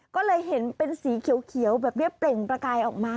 ก็เลยเห็นเป็นสีเขียวแบบนี้เปล่งประกายออกมา